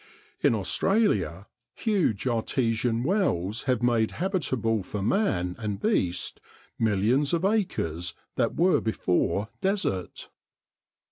In Australia huge artesian wells have made habitable for man and beast millions of acres that were before desert.